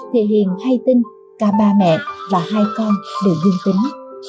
thì hiền hay tin cả ba mẹ và hai con đều dưng tính